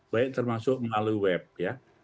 baik termasuk melalui web ya